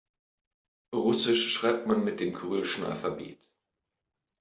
Russisch schreibt man mit dem kyrillischen Alphabet.